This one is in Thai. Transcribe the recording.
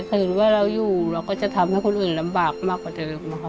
เห็นว่าเราอยู่เราก็จะทำให้คนอื่นลำบากมากกว่าเดิมนะคะ